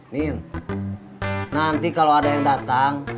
nin nanti kalau ada yang datang